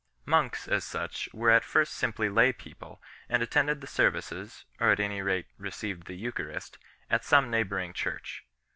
Monks, as such, were at first simply lay people, and attended the services, or at any rate received the Eucharist, at some neighbouring church 2